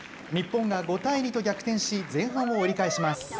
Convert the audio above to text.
日本が５対２と逆転し、前半を折り返します。